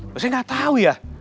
lo sih gak tau ya